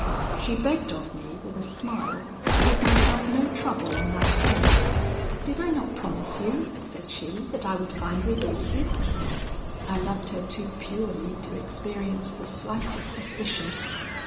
She begged of me, with a smile, to give myself no trouble on that head. 'Did I not promise you,' said she, 'that I would find resources?' I loved her too purely to experience the slightest suspicion.